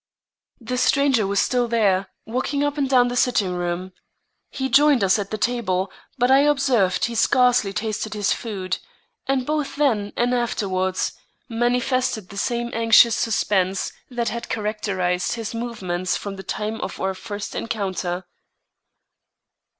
The stranger was still there, walking up and down the sitting room. He joined us at the table, but I observed he scarcely tasted his food, and both then and afterward manifested the same anxious suspense that had characterized his movements from the time of our first encounter.